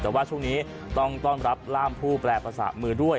แต่ว่าช่วงนี้ต้องต้อนรับร่ามผู้แปลภาษามือด้วย